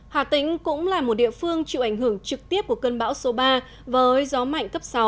hà tĩnh cũng là một địa phương chịu ảnh hưởng trực tiếp của cơn bão số ba với gió mạnh cấp sáu